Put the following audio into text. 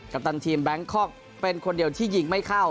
ปตันทีมแบงคอกเป็นคนเดียวที่ยิงไม่เข้า